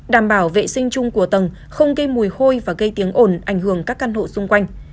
đảm bảo vệ sinh chung của tầng không gây mùi hôi và gây tiếng ồn ảnh hưởng các căn hộ xung quanh